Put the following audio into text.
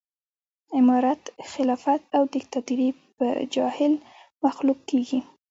امارت خلافت او ديکتاتوري به جاهل مخلوق کېږي